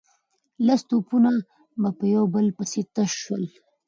لس توپونه په يو بل پسې تش شول.